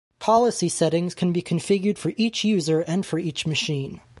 Policy settings can be configured for each user and for each machine.